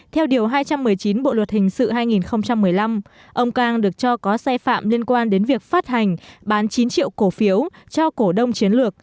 theo điều hai trăm một mươi chín bộ luật hình sự hai nghìn một mươi năm ông cang được cho có xe phạm liên quan đến việc phát hành bán chín triệu cổ phiếu cho cổ đông chiến lược